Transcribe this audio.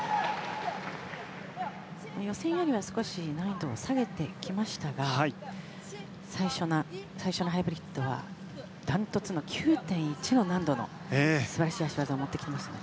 予選よりは少し難度を下げてきましたが最初のハイブリッドはダントツの９．１の難度の素晴らしい脚技を持ってきましたね。